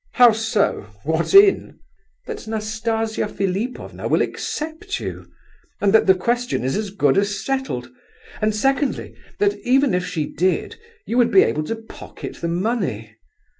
"How so? What in?" "That Nastasia Philipovna will accept you, and that the question is as good as settled; and secondly, that even if she did, you would be able to pocket the money.